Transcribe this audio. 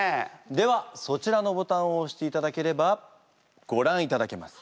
ではそちらのボタンを押していただければごらんいただけます。